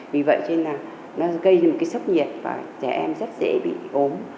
vì vậy cho nên là nó gây ra một cái sốc nhiệt và trẻ em rất dễ bị ốm